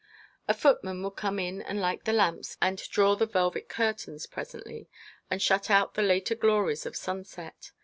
A footman would come in and light the lamps, and draw the velvet curtains, presently, and shut out the later glories of sunset.